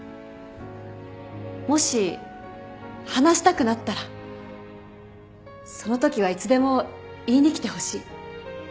もし話したくなったらそのときはいつでも言いに来てほしい。